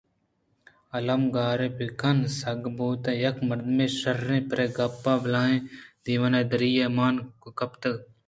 المّ گارئے بِہ کن سِنگ ءِ بُت یک مردے ءُ شیرے پرے گپّ ءَ بلاہیں دیوان دِرّی ئِے ءَ مان کپتگ اِتنت